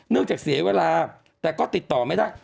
จากเสียเวลาแต่ก็ติดต่อไม่ได้